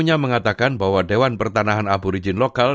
negara mana atau anda bisa memiliki map australia aboriginal